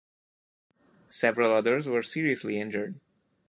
Several others were seriously injured.